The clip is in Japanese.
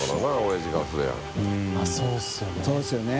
そうですよね。